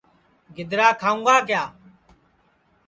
گِدرا کھاؤں گا کِیا